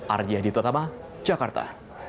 ardi aditotama jakarta